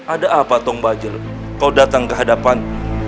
ada apa tong bajel kau datang ke hadapan